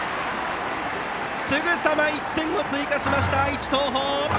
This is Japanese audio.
すぐさま１点を追加しました愛知・東邦！